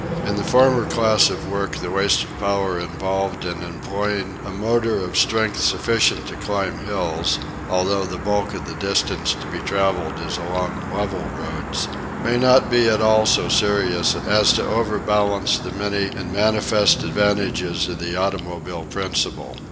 In the former class of work the waste of power involved in employing a motor of strength sufficient to climb hills although the bulk of the distance to be travelled is along level roads may not be at all so serious as to overbalance the many and manifest advantages of the automobile principle.